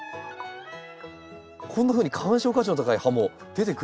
こんなふうに観賞価値の高い葉も出てくる。